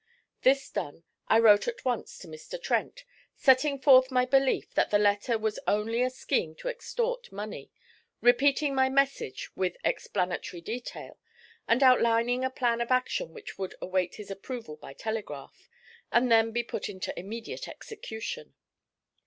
This done, I wrote at once to Mr. Trent, setting forth my belief that the letter was only a scheme to extort money, repeating my message with explanatory detail, and outlining a plan of action which would await his approval by telegraph, and then be put into immediate execution.